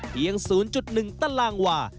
เพียง๐๑ตารางวา